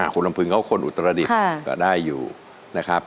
คุณลำพึงเขาคนอุตรดิษฐ์ก็ได้อยู่นะครับ